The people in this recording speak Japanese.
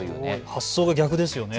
発想が逆ですよね。